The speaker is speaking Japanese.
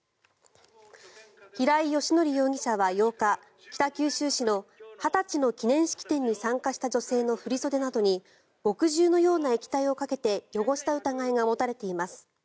平井英康容疑者は８日北九州市の二十歳の記念式典に参加した女性の振り袖などに墨汁のような液体をかけて汚した疑いが持たれています。